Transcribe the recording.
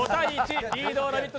リードをラヴィット！